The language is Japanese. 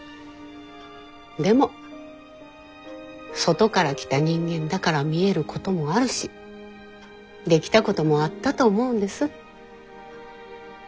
でも外から来た人間だから見えることもあるしできたこともあったと思うんです。